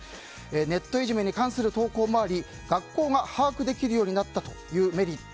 ネットいじめに関する投稿もあり学校が把握できるようになったというメリット。